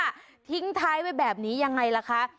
ทิ้งท้ายไว้แบบนี้ยังไงล่ะคะ